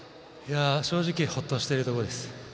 正直ほっとしてるところです。